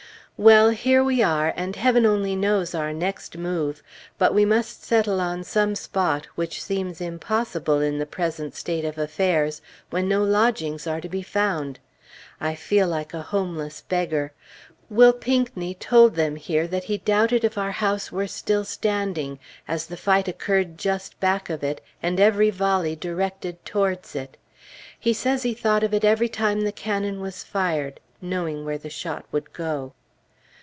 Well! here we are, and Heaven only knows our next move. But we must settle on some spot, which seems impossible in the present state of affairs, when no lodgings are to be found. I feel like a homeless beggar. Will Pinckney told them here that he doubted if our house were still standing, as the fight occurred just back of it, and every volley directed towards it. He says he thought of it every time the cannon was fired, knowing where the shot would go.